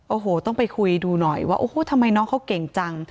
โอ้โหต้องไปคุยดูหน่อยว่าโอ้โหทำไมน้องเขาเก่งจัง